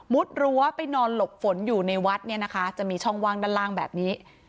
รั้วไปนอนหลบฝนอยู่ในวัดเนี่ยนะคะจะมีช่องว่างด้านล่างแบบนี้